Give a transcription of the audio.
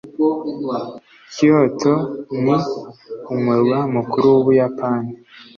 kyoto ni umurwa mukuru w'ubuyapani